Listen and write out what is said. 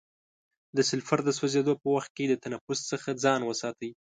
د سلفر د سوځیدو په وخت کې د تنفس څخه ځان وساتئ.